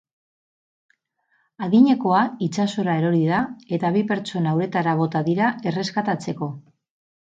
Adinekoa itsasora erori da eta bi pertsona uretara bota dira erreskatatzeko.